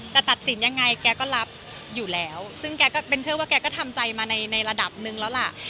แต่ตัดสินยังไงแกก็รับอยู่แล้วซึ่งแกก็เป็นเชื่อว่าแกก็ทำใจมาในระดับนึงแล้วล่ะ